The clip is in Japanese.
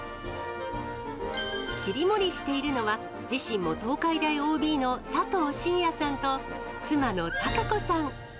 切り盛りしているのは、自身も東海大ＯＢの佐藤慎也さんと、妻の貴子さん。